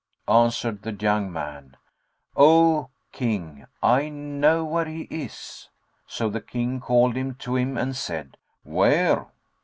Answered the young man, "O King, I know where he is." So the King called him to him and said, "Where?"